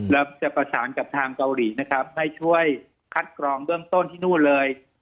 แล้วจะประสานกับทางเกาหลีนะครับให้ช่วยคัดกรองเบื้องต้นที่นู่นเลย